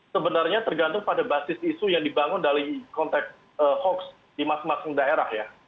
sebenarnya tergantung pada basis isu yang dibangun dari konteks hoax di masing masing daerah ya